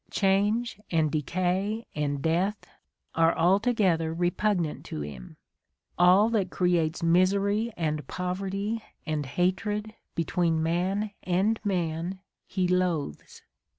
Change and decay and death are altogether repugnant to him : all that creates misery and poverty and hatred between man and man he loathes.